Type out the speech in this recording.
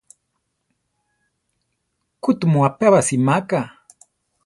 ¡ʼku tumu apébasi máka!